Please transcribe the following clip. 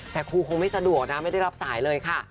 แต่ครูคงไม่สะดวกนะไม่ได้รับสายเลยค่ะ